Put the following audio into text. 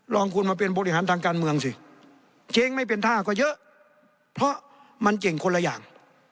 ลองคุณมาเป็นบริหารทางการเมืองสิเจ๊งไม่เป็นท่าก็เยอะเพราะมันเก่งคนละอย่าง